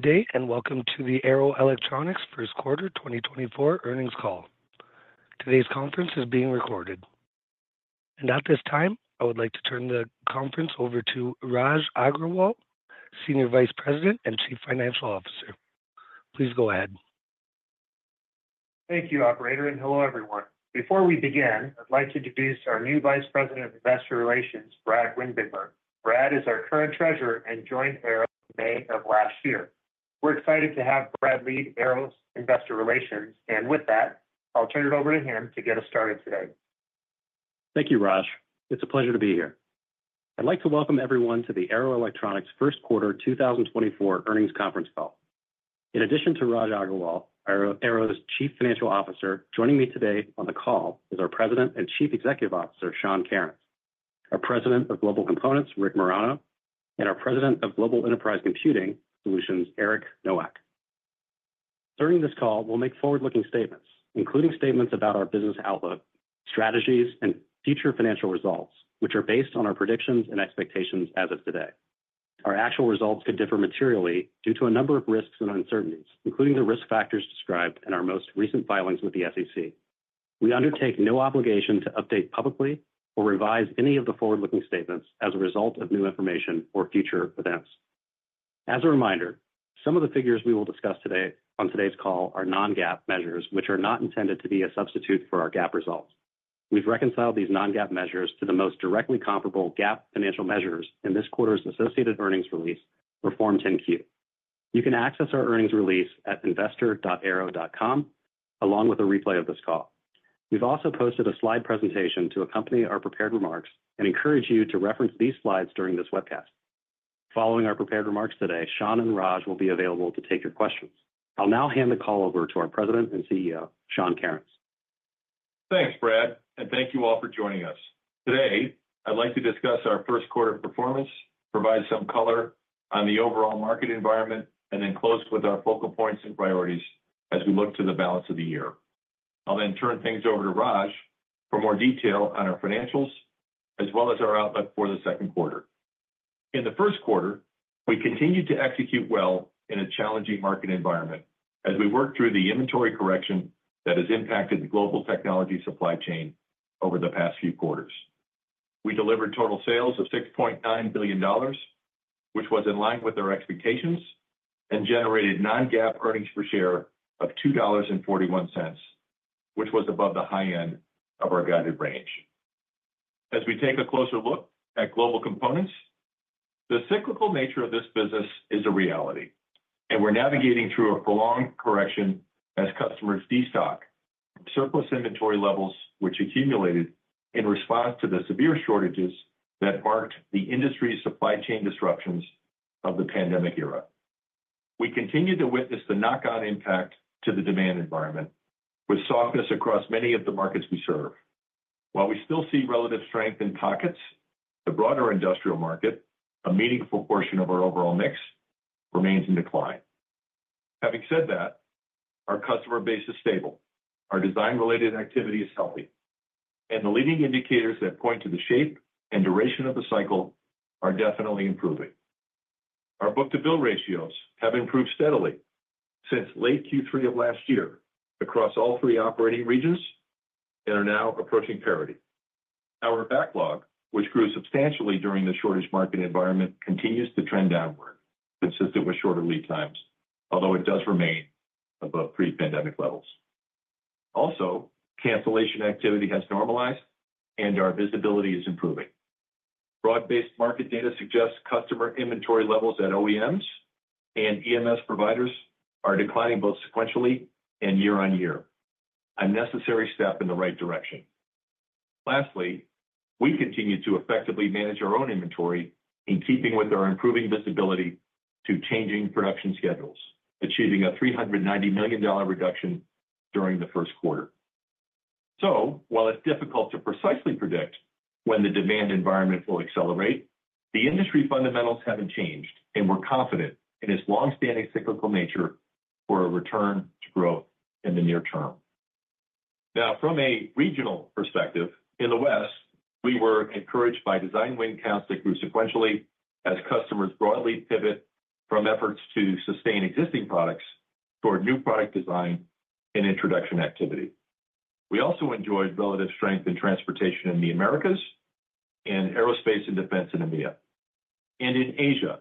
Good day and welcome to the Arrow Electronics first quarter 2024 earnings call. Today's conference is being recorded. At this time, I would like to turn the conference over to Raj Agrawal, Senior Vice President and Chief Financial Officer. Please go ahead. Thank you, Operator, and hello everyone. Before we begin, I'd like to introduce our new Vice President of Investor Relations, Brad Windbigler. Brad is our current Treasurer and joined Arrow May of last year. We're excited to have Brad lead Arrow's Investor Relations, and with that, I'll turn it over to him to get us started today. Thank you, Raj. It's a pleasure to be here. I'd like to welcome everyone to the Arrow Electronics first quarter 2024 earnings conference call. In addition to Raj Agrawal, Arrow's Chief Financial Officer joining me today on the call is our President and Chief Executive Officer, Sean Kerins, our President of Global Components, Rick Marano, and our President of Global Enterprise Computing Solutions, Eric Nowak. During this call, we'll make forward-looking statements, including statements about our business outlook, strategies, and future financial results, which are based on our predictions and expectations as of today. Our actual results could differ materially due to a number of risks and uncertainties, including the risk factors described in our most recent filings with the SEC. We undertake no obligation to update publicly or revise any of the forward-looking statements as a result of new information or future events. As a reminder, some of the figures we will discuss today on today's call are non-GAAP measures, which are not intended to be a substitute for our GAAP results. We've reconciled these non-GAAP measures to the most directly comparable GAAP financial measures in this quarter's associated earnings release, Form 10-Q. You can access our earnings release at investor.arrow.com, along with a replay of this call. We've also posted a slide presentation to accompany our prepared remarks and encourage you to reference these slides during this webcast. Following our prepared remarks today, Sean and Raj will be available to take your questions. I'll now hand the call over to our President and CEO, Sean Kerins. Thanks, Brad, and thank you all for joining us. Today, I'd like to discuss our first quarter performance, provide some color on the overall market environment, and then close with our focal points and priorities as we look to the balance of the year. I'll then turn things over to Raj for more detail on our financials as well as our outlook for the second quarter. In the first quarter, we continued to execute well in a challenging market environment as we worked through the inventory correction that has impacted the global technology supply chain over the past few quarters. We delivered total sales of $6.9 billion, which was in line with our expectations, and generated non-GAAP earnings per share of $2.41, which was above the high end of our guided range. As we take a closer look at Global Components, the cyclical nature of this business is a reality, and we're navigating through a prolonged correction as customers destock surplus inventory levels, which accumulated in response to the severe shortages that marked the industry's supply chain disruptions of the pandemic era. We continued to witness the knock-on impact to the demand environment with softness across many of the markets we serve. While we still see relative strength in pockets, the broader industrial market, a meaningful portion of our overall mix, remains in decline. Having said that, our customer base is stable, our design-related activity is healthy, and the leading indicators that point to the shape and duration of the cycle are definitely improving. Our Book-to-bill ratios have improved steadily since late Q3 of last year across all three operating regions and are now approaching parity. Our backlog, which grew substantially during the shortage market environment, continues to trend downward, consistent with shorter lead times, although it does remain above pre-pandemic levels. Also, cancellation activity has normalized, and our visibility is improving. Broad-based market data suggests customer inventory levels at OEMs and EMS providers are declining both sequentially and year-on-year, a necessary step in the right direction. Lastly, we continue to effectively manage our own inventory in keeping with our improving visibility to changing production schedules, achieving a $390 million reduction during the first quarter. So while it's difficult to precisely predict when the demand environment will accelerate, the industry fundamentals haven't changed, and we're confident in its longstanding cyclical nature for a return to growth in the near term. Now, from a regional perspective, in the West, we were encouraged by design win counts that grew sequentially as customers broadly pivot from efforts to sustain existing products toward new product design and introduction activity. We also enjoyed relative strength in transportation in the Americas and aerospace and defense in India. And in Asia,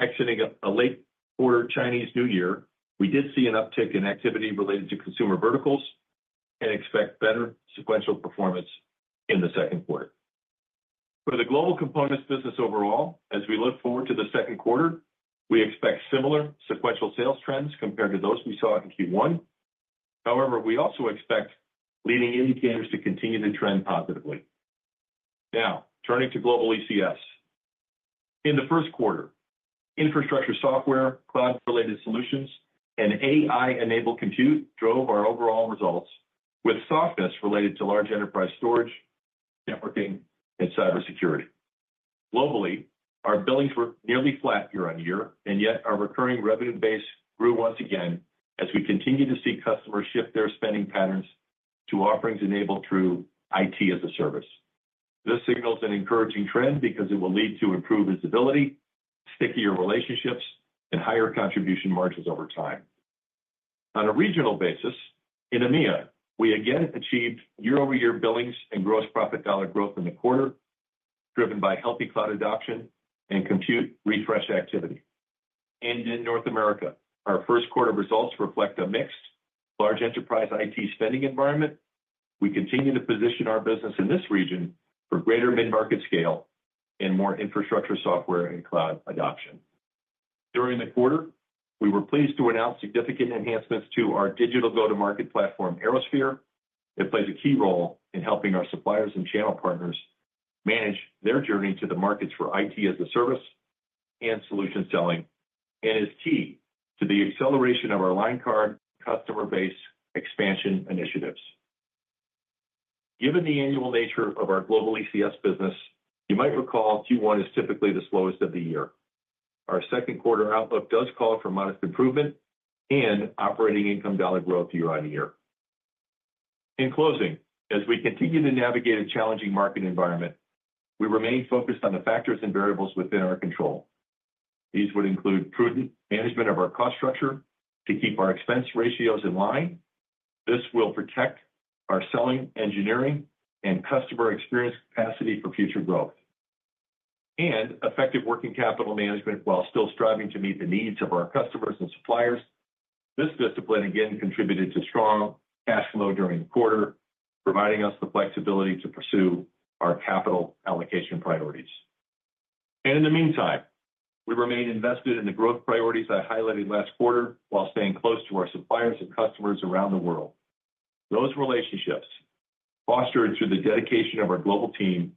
exiting a late quarter Chinese New Year, we did see an uptick in activity related to consumer verticals and expect better sequential performance in the second quarter. For the Global Components business overall, as we look forward to the second quarter, we expect similar sequential sales trends compared to those we saw in Q1. However, we also expect leading indicators to continue to trend positively. Now, turning to global ECS. In the first quarter, infrastructure software, cloud-related solutions, and AI-enabled compute drove our overall results with softness related to large enterprise storage, networking, and cybersecurity. Globally, our billings were nearly flat year-over-year, and yet our recurring revenue base grew once again as we continue to see customers shift their spending patterns to offerings enabled through IT as a service. This signals an encouraging trend because it will lead to improved visibility, stickier relationships, and higher contribution margins over time. On a regional basis, in India, we again achieved year-over-year billings and gross profit dollar growth in the quarter, driven by healthy cloud adoption and compute refresh activity. In North America, our first quarter results reflect a mixed large enterprise IT spending environment. We continue to position our business in this region for greater mid-market scale and more infrastructure software and cloud adoption. During the quarter, we were pleased to announce significant enhancements to our digital go-to-market platform, ArrowSphere. It plays a key role in helping our suppliers and channel partners manage their journey to the markets for IT as a service and solution selling and is key to the acceleration of our line card customer base expansion initiatives. Given the annual nature of our global ECS business, you might recall Q1 is typically the slowest of the year. Our second quarter outlook does call for modest improvement and operating income dollar growth year-on-year. In closing, as we continue to navigate a challenging market environment, we remain focused on the factors and variables within our control. These would include prudent management of our cost structure to keep our expense ratios in line. This will protect our selling, engineering, and customer experience capacity for future growth. Effective working capital management while still striving to meet the needs of our customers and suppliers. This discipline, again, contributed to strong cash flow during the quarter, providing us the flexibility to pursue our capital allocation priorities. In the meantime, we remain invested in the growth priorities I highlighted last quarter while staying close to our suppliers and customers around the world. Those relationships, fostered through the dedication of our global team,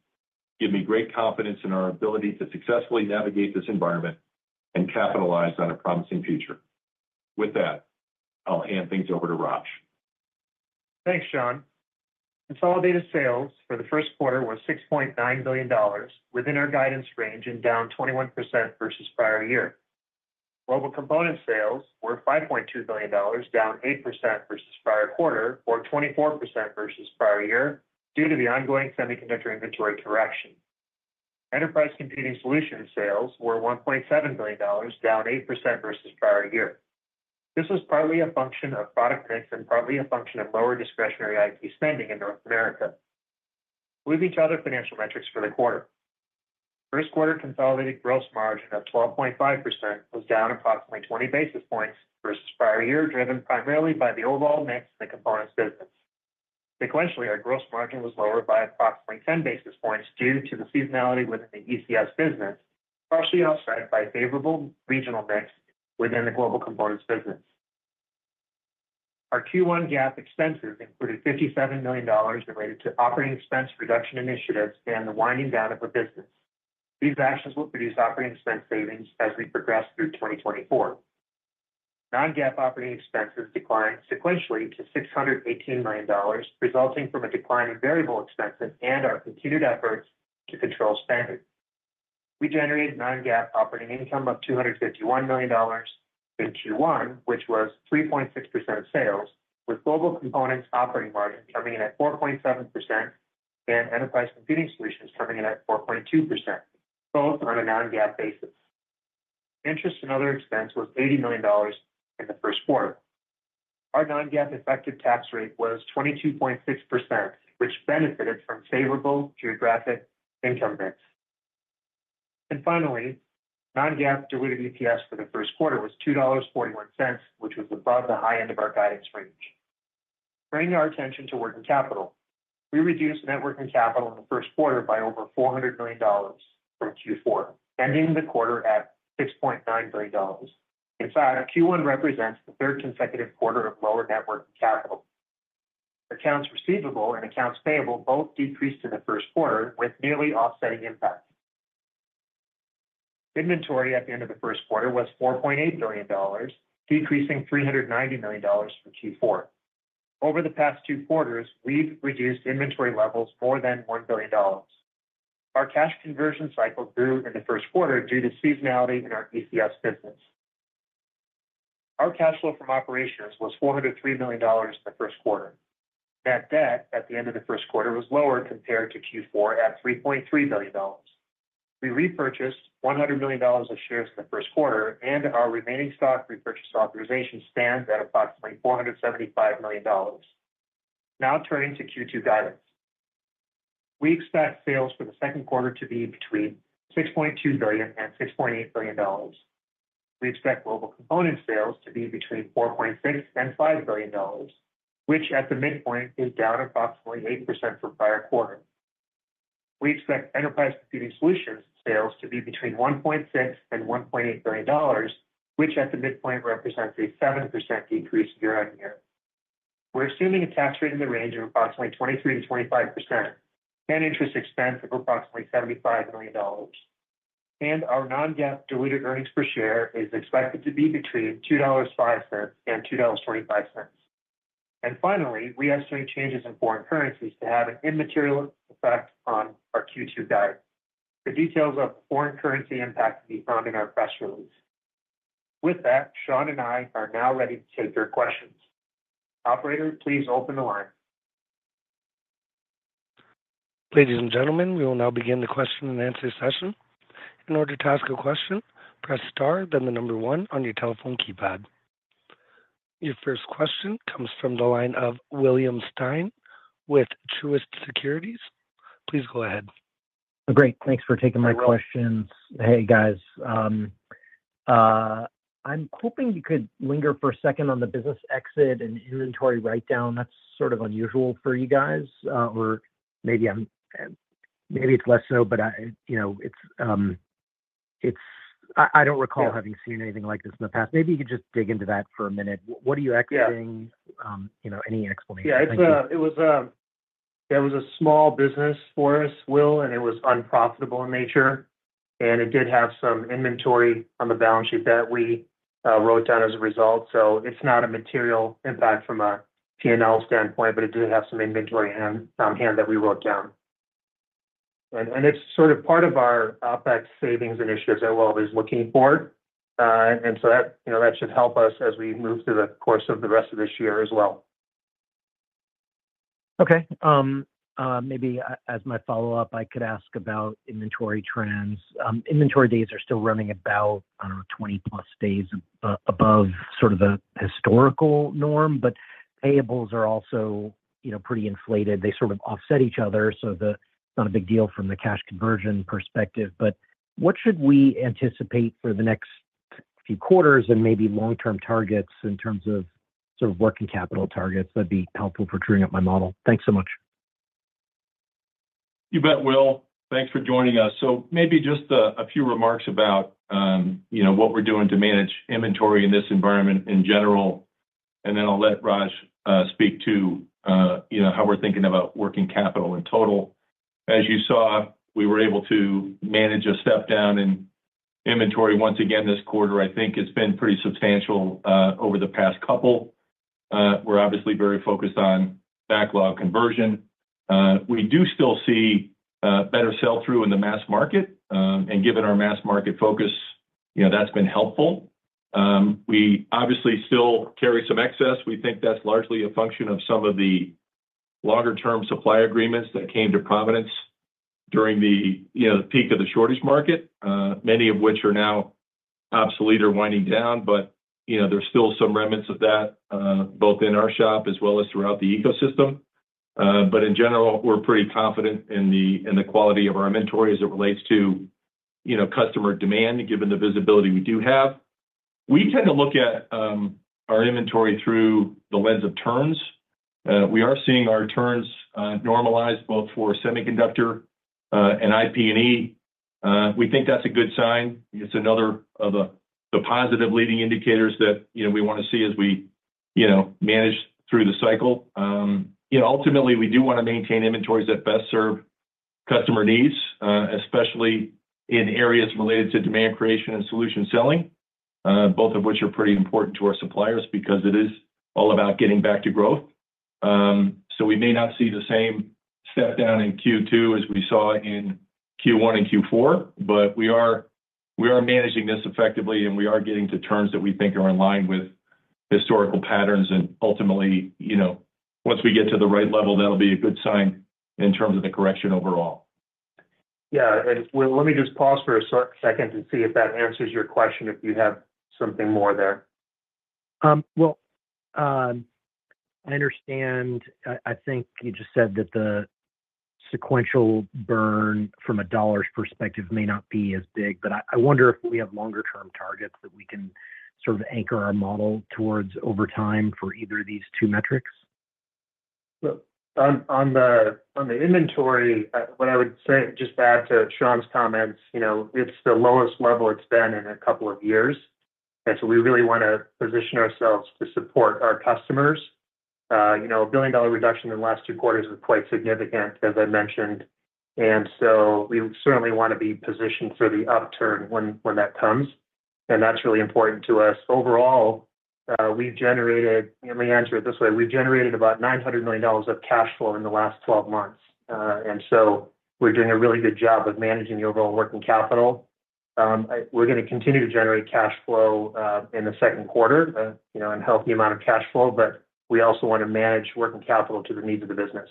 give me great confidence in our ability to successfully navigate this environment and capitalize on a promising future. With that, I'll hand things over to Raj. Thanks, Sean. Consolidated sales for the first quarter were $6.9 billion within our guidance range and down 21% versus prior year. Global Components sales were $5.2 billion, down 8% versus prior quarter or 24% versus prior year due to the ongoing semiconductor inventory correction. Enterprise Computing Solutions sales were $1.7 billion, down 8% versus prior year. This was partly a function of product mix and partly a function of lower discretionary IT spending in North America. Moving to other financial metrics for the quarter. First quarter consolidated gross margin of 12.5% was down approximately 20 basis points versus prior year, driven primarily by the overall mix and the components business. Sequentially, our gross margin was lower by approximately 10 basis points due to the seasonality within the ECS business, partially offset by favorable regional mix within the global components business. Our Q1 GAAP expenses included $57 million related to operating expense reduction initiatives and the winding down of a business. These actions will produce operating expense savings as we progress through 2024. Non-GAAP operating expenses declined sequentially to $618 million, resulting from a decline in variable expenses and our continued efforts to control spending. We generated non-GAAP operating income of $251 million in Q1, which was 3.6% sales, with Global Components operating margin coming in at 4.7% and Enterprise Computing Solutions coming in at 4.2%, both on a non-GAAP basis. Interest and other expense was $80 million in the first quarter. Our non-GAAP effective tax rate was 22.6%, which benefited from favorable geographic income mix. And finally, non-GAAP diluted EPS for the first quarter was $2.41, which was above the high end of our guidance range. Bringing our attention to working capital. We reduced net working capital in the first quarter by over $400 million from Q4, ending the quarter at $6.9 billion. In fact, Q1 represents the third consecutive quarter of lower net working capital. Accounts receivable and accounts payable both decreased in the first quarter with nearly offsetting impact. Inventory at the end of the first quarter was $4.8 billion, decreasing $390 million from Q4. Over the past two quarters, we've reduced inventory levels more than $1 billion. Our cash conversion cycle grew in the first quarter due to seasonality in our ECS business. Our cash flow from operations was $403 million in the first quarter. Net debt at the end of the first quarter was lower compared to Q4 at $3.3 billion. We repurchased $100 million of shares in the first quarter, and our remaining stock repurchase authorization stands at approximately $475 million. Now turning to Q2 guidance. We expect sales for the second quarter to be between $6.2 billion-$6.8 billion. We expect global component sales to be between $4.6 billion-$5 billion, which at the midpoint is down approximately 8% from prior quarter. We expect enterprise computing solutions sales to be between $1.6 billion-$1.8 billion, which at the midpoint represents a 7% decrease year-on-year. We're assuming a tax rate in the range of approximately 23%-25% and interest expense of approximately $75 million. Our non-GAAP diluted earnings per share is expected to be between $2.05-$2.25. Finally, we estimate changes in foreign currencies to have an immaterial effect on our Q2 guidance. The details of the foreign currency impact will be found in our press release. With that, Sean and I are now ready to take your questions. Operator, please open the line. Ladies and gentlemen, we will now begin the question and answer session. In order to ask a question, press star, then the number one on your telephone keypad. Your first question comes from the line of William Stein with Truist Securities. Please go ahead. Great. Thanks for taking my questions. Hey, guys. I'm hoping you could linger for a second on the business exit and inventory write-down. That's sort of unusual for you guys, or maybe it's less so, but it's I don't recall having seen anything like this in the past. Maybe you could just dig into that for a minute. What are you exiting? Any explanation? Yeah. It was a small business for us, Will, and it was unprofitable in nature. It did have some inventory on the balance sheet that we wrote down as a result. It's not a material impact from a P&L standpoint, but it did have some inventory on hand that we wrote down. It's sort of part of our OpEx savings initiatives that Will is looking for. That should help us as we move through the course of the rest of this year as well. Okay. Maybe as my follow-up, I could ask about inventory trends. Inventory days are still running about, I don't know, 20+ days above sort of the historical norm, but payables are also pretty inflated. They sort of offset each other, so it's not a big deal from the cash conversion perspective. But what should we anticipate for the next few quarters and maybe long-term targets in terms of sort of working capital targets that'd be helpful for truing up my model? Thanks so much. You bet, Will. Thanks for joining us. So maybe just a few remarks about what we're doing to manage inventory in this environment in general, and then I'll let Raj speak to how we're thinking about working capital in total. As you saw, we were able to manage a step down in inventory once again this quarter. I think it's been pretty substantial over the past couple. We're obviously very focused on backlog conversion. We do still see better sell-through in the mass market, and given our mass market focus, that's been helpful. We obviously still carry some excess. We think that's largely a function of some of the longer-term supply agreements that came to prominence during the peak of the shortage market, many of which are now obsolete or winding down, but there's still some remnants of that both in our shop as well as throughout the ecosystem. But in general, we're pretty confident in the quality of our inventory as it relates to customer demand, given the visibility we do have. We tend to look at our inventory through the lens of turns. We are seeing our turns normalize both for semiconductor and IP&E. We think that's a good sign. It's another of the positive leading indicators that we want to see as we manage through the cycle. Ultimately, we do want to maintain inventories that best serve customer needs, especially in areas related to demand creation and solution selling, both of which are pretty important to our suppliers because it is all about getting back to growth. So we may not see the same step down in Q2 as we saw in Q1 and Q4, but we are managing this effectively, and we are getting to turns that we think are in line with historical patterns. Ultimately, once we get to the right level, that'll be a good sign in terms of the correction overall. Yeah. Will, let me just pause for a second to see if that answers your question, if you have something more there. Well, I understand. I think you just said that the sequential burn from a dollar's perspective may not be as big, but I wonder if we have longer-term targets that we can sort of anchor our model towards over time for either of these two metrics? On the inventory, what I would say, just add to Sean's comments, it's the lowest level it's been in a couple of years. So we really want to position ourselves to support our customers. A billion-dollar reduction in the last two quarters was quite significant, as I mentioned. So we certainly want to be positioned for the upturn when that comes. And that's really important to us. Overall, we've generated let me answer it this way. We've generated about $900 million of cash flow in the last 12 months. So we're doing a really good job of managing the overall working capital. We're going to continue to generate cash flow in the second quarter, a healthy amount of cash flow, but we also want to manage working capital to the needs of the business.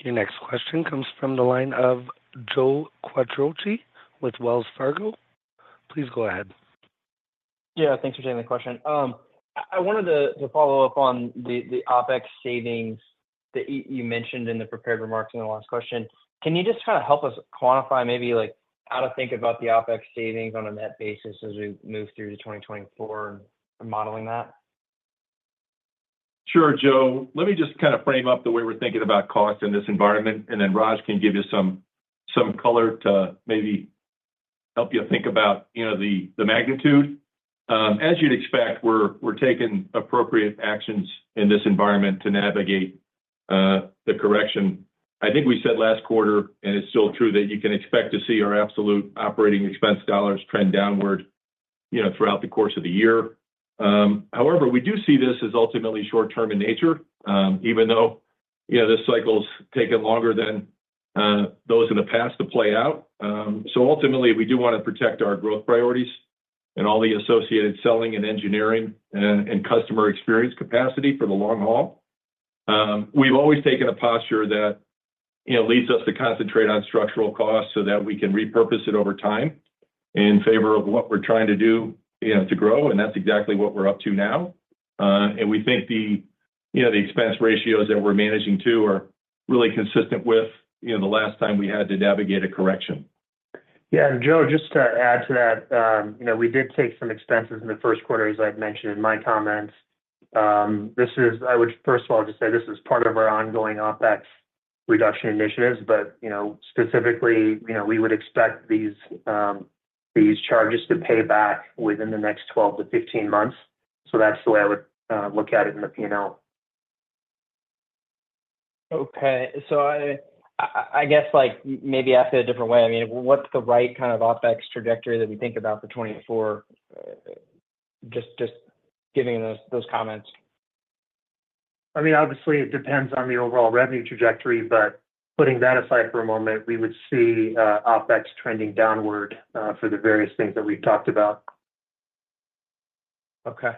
Your next question comes from the line of Joe Quatrochi with Wells Fargo. Please go ahead. Yeah. Thanks for taking the question. I wanted to follow up on the OpEx savings that you mentioned in the prepared remarks in the last question. Can you just kind of help us quantify maybe how to think about the OpEx savings on a net basis as we move through to 2024 and modeling that? Sure, Joe. Let me just kind of frame up the way we're thinking about cost in this environment, and then Raj can give you some color to maybe help you think about the magnitude. As you'd expect, we're taking appropriate actions in this environment to navigate the correction. I think we said last quarter, and it's still true that you can expect to see our absolute operating expense dollars trend downward throughout the course of the year. However, we do see this as ultimately short-term in nature, even though this cycle's taken longer than those in the past to play out. So ultimately, we do want to protect our growth priorities and all the associated selling and engineering and customer experience capacity for the long haul. We've always taken a posture that leads us to concentrate on structural costs so that we can repurpose it over time in favor of what we're trying to do to grow, and that's exactly what we're up to now. And we think the expense ratios that we're managing too are really consistent with the last time we had to navigate a correction. Yeah. And Joe, just to add to that, we did take some expenses in the first quarter, as I'd mentioned in my comments. I would, first of all, just say this is part of our ongoing OpEx reduction initiatives, but specifically, we would expect these charges to pay back within the next 12-15 months. So that's the way I would look at it in the P&L. Okay. So I guess maybe ask it a different way. I mean, what's the right kind of OpEx trajectory that we think about for 2024? Just giving those comments. I mean, obviously, it depends on the overall revenue trajectory, but putting that aside for a moment, we would see OpEx trending downward for the various things that we've talked about. Okay.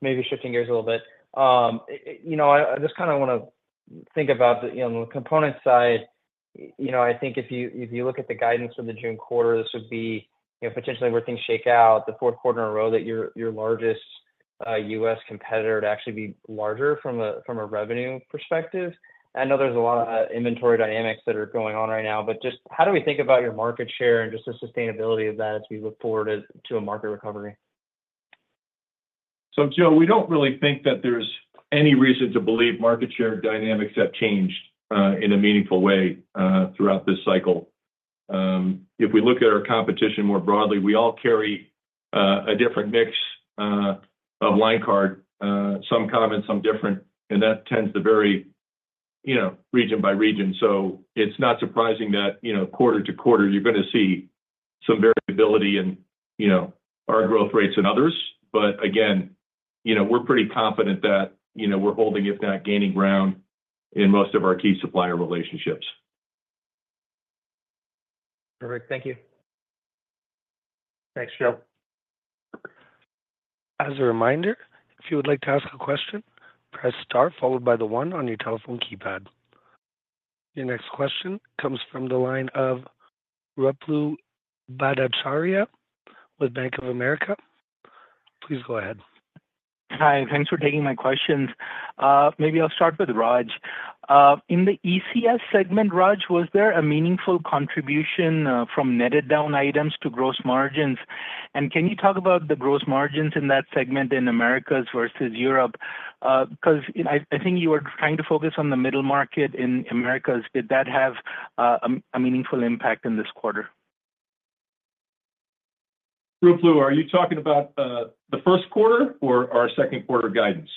Maybe shifting gears a little bit. I just kind of want to think about the component side. I think if you look at the guidance for the June quarter, this would be potentially where things shake out, the fourth quarter in a row that your largest U.S. competitor would actually be larger from a revenue perspective. I know there's a lot of inventory dynamics that are going on right now, but just how do we think about your market share and just the sustainability of that as we look forward to a market recovery? So Joe, we don't really think that there's any reason to believe market share dynamics have changed in a meaningful way throughout this cycle. If we look at our competition more broadly, we all carry a different mix of line card, some commons, some different, and that tends to vary region by region. So it's not surprising that quarter to quarter, you're going to see some variability in our growth rates and others. But again, we're pretty confident that we're holding, if not gaining ground, in most of our key supplier relationships. Perfect. Thank you. Thanks, Joe. As a reminder, if you would like to ask a question, press star followed by the one on your telephone keypad. Your next question comes from the line of Ruplu Bhattacharya with Bank of America. Please go ahead. Hi. Thanks for taking my questions. Maybe I'll start with Raj. In the ECS segment, Raj, was there a meaningful contribution from netted-down items to gross margins? And can you talk about the gross margins in that segment in Americas versus Europe? Because I think you were trying to focus on the middle market in Americas. Did that have a meaningful impact in this quarter? Ruplu, are you talking about the first quarter or our second quarter guidance?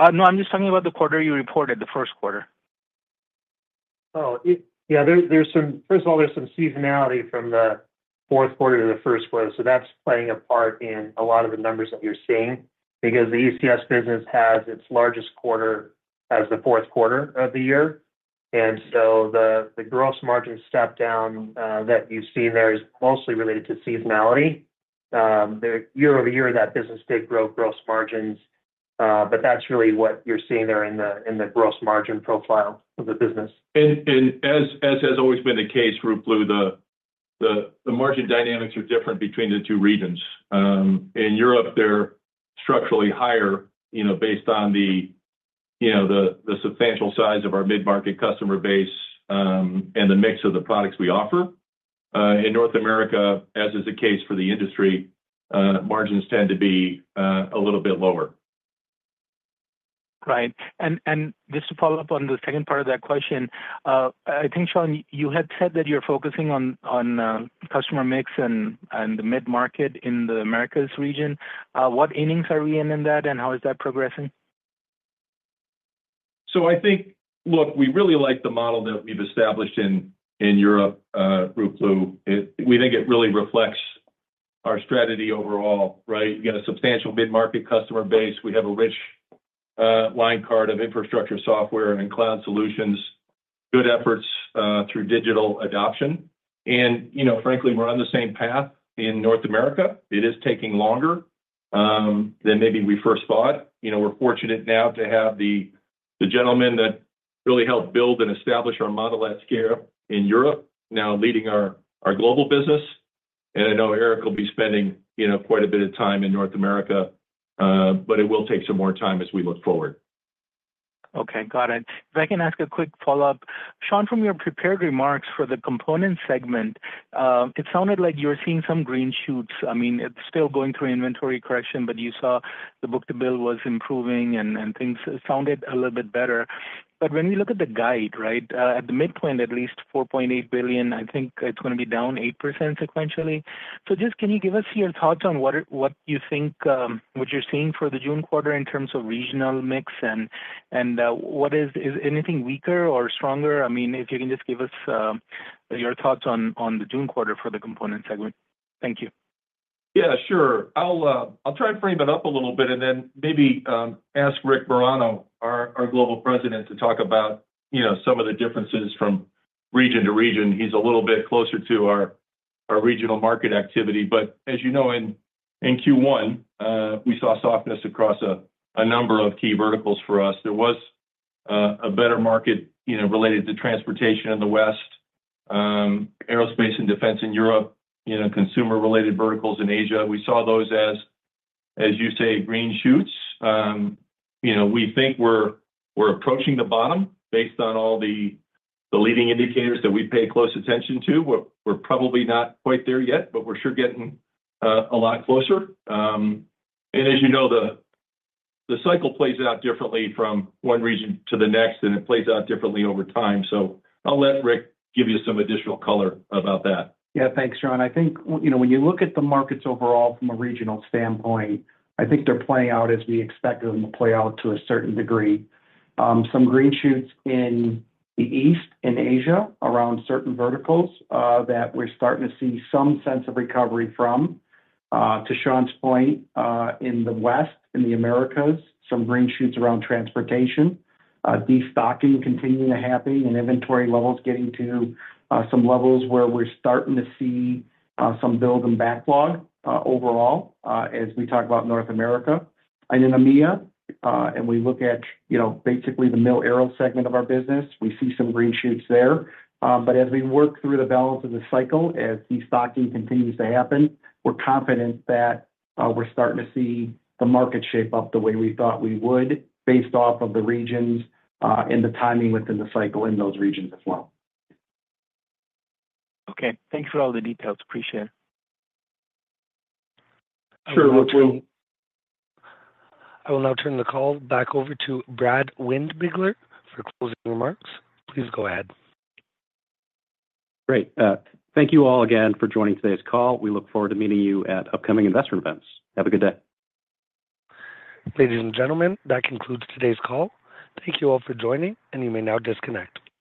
No, I'm just talking about the quarter you reported, the first quarter. Oh, yeah. First of all, there's some seasonality from the fourth quarter to the first quarter. So that's playing a part in a lot of the numbers that you're seeing because the ECS business has its largest quarter as the fourth quarter of the year. And so the gross margin step-down that you've seen there is mostly related to seasonality. Year-over-year, that business did grow gross margins, but that's really what you're seeing there in the gross margin profile of the business. As has always been the case, Ruplu, the margin dynamics are different between the two regions. In Europe, they're structurally higher based on the substantial size of our mid-market customer base and the mix of the products we offer. In North America, as is the case for the industry, margins tend to be a little bit lower. Right. And just to follow up on the second part of that question, I think, Sean, you had said that you're focusing on customer mix and the mid-market in the Americas region. What innings are we in in that, and how is that progressing? So I think, look, we really like the model that we've established in Europe, Ruplu. We think it really reflects our strategy overall, right? You got a substantial mid-market customer base. We have a rich line card of infrastructure software and cloud solutions, good efforts through digital adoption. And frankly, we're on the same path in North America. It is taking longer than maybe we first thought. We're fortunate now to have the gentleman that really helped build and establish our model at scale in Europe now leading our global business. And I know Eric will be spending quite a bit of time in North America, but it will take some more time as we look forward. Okay. Got it. If I can ask a quick follow-up, Sean, from your prepared remarks for the component segment, it sounded like you were seeing some green shoots. I mean, it's still going through inventory correction, but you saw the book-to-bill was improving, and things sounded a little bit better. But when we look at the guide, right, at the midpoint, at least $4.8 billion, I think it's going to be down 8% sequentially. So just can you give us your thoughts on what you think what you're seeing for the June quarter in terms of regional mix, and is anything weaker or stronger? I mean, if you can just give us your thoughts on the June quarter for the component segment. Thank you. Yeah, sure. I'll try to frame it up a little bit and then maybe ask Rick Marano, our global president, to talk about some of the differences from region to region. He's a little bit closer to our regional market activity. But as you know, in Q1, we saw softness across a number of key verticals for us. There was a better market related to transportation in the West, aerospace and defense in Europe, consumer-related verticals in Asia. We saw those as, as you say, green shoots. We think we're approaching the bottom based on all the leading indicators that we pay close attention to. We're probably not quite there yet, but we're sure getting a lot closer. And as you know, the cycle plays out differently from one region to the next, and it plays out differently over time. I'll let Rick give you some additional color about that. Yeah. Thanks, Sean. I think when you look at the markets overall from a regional standpoint, I think they're playing out as we expected them to play out to a certain degree. Some green shoots in the East, in Asia, around certain verticals that we're starting to see some sense of recovery from. To Sean's point, in the West, in the Americas, some green shoots around transportation, destocking continuing to happen, and inventory levels getting to some levels where we're starting to see some build and backlog overall as we talk about North America. And in EMEA, and we look at basically the mil-aero segment of our business, we see some green shoots there. But as we work through the balance of the cycle, as destocking continues to happen, we're confident that we're starting to see the market shape up the way we thought we would based off of the regions and the timing within the cycle in those regions as well. Okay. Thanks for all the details. Appreciate it. Sure. I will now turn the call back over to Brad Windbigler for closing remarks. Please go ahead. Great. Thank you all again for joining today's call. We look forward to meeting you at upcoming investor events. Have a good day. Ladies and gentlemen, that concludes today's call. Thank you all for joining, and you may now disconnect.